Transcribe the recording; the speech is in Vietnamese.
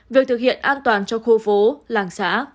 việc thực hiện an toàn cho khu phố làng xã